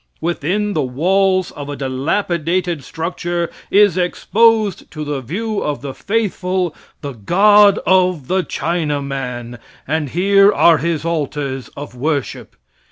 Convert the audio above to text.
Within the walls of a dilapidated structure is exposed to the view of the faithful the god of the Chinaman, and here are his altars of worship.